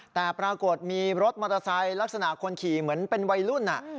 แต่ปรากฏมีรถมอเตอร์ไซค์ลักษณะคนขี่เหมือนเป็นวัยรุ่น